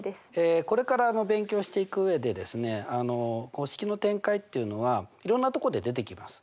これから勉強していく上でですね式の展開っていうのはいろんなとこで出てきます。